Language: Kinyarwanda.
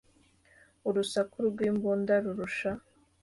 Urusaku rw'imbunda rurusha